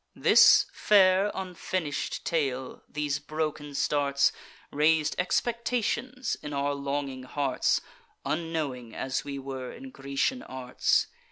This fair unfinish'd tale, these broken starts, Rais'd expectations in our longing hearts: Unknowing as we were in Grecian arts.